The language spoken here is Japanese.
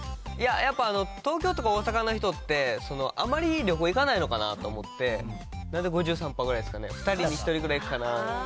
いや、やっぱ東京とか大阪の人って、あまり旅行行かないのかなと思って、なんで、５３％ぐらいですかね。